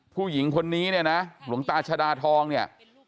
ผู้หญิงคนนี้เนี่ยนะหลวงตาชดาทองเนี่ย